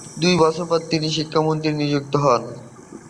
দুই বছর পর তিনি শিক্ষামন্ত্রী নিযুক্ত হন।